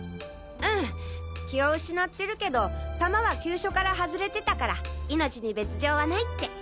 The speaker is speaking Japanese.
うん気を失ってるけど弾は急所から外れてたから命に別状はないって。